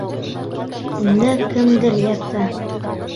Унда кемдер ята.